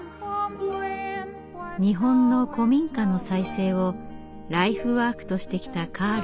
日本の古民家の再生をライフワークとしてきたカールさん。